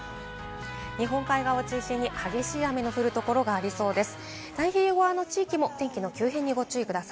日本海側を中心に厳しい雨のところがありそうです。